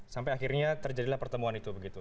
sampai akhirnya terjadilah pertemuan itu begitu